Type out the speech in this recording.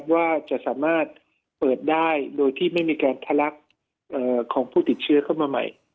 ว่าจะสามารถเปิดได้โดยที่ไม่มีการทะลักของผู้ติดเชื้อเข้ามาใหม่